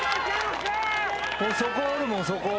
そこおるもんそこ。